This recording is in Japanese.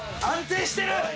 安定してる。